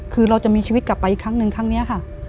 คือเราจะมีชีวิตกลับไปอีกครั้งหนึ่งครั้งนี้ค่ะ